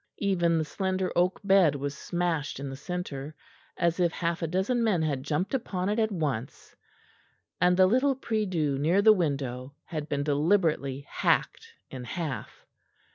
Even the slender oak bed was smashed in the centre, as if half a dozen men had jumped upon it at once; and the little prie dieu near the window had been deliberately hacked in half.